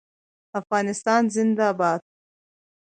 افغانستان زنده باد.